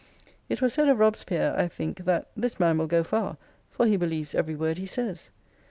It was said of Robespierre, I think, that " this man will go far, for he believes every word he says